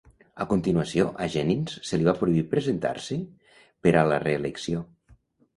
A continuació, a Jennings se li va prohibir presentar-se per a la reelecció.